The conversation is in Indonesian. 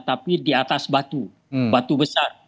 tapi di atas batu batu besar